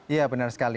iya benar sekali